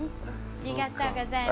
ありがとうございます。